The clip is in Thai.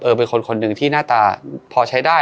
เป็นคนคนหนึ่งที่หน้าตาพอใช้ได้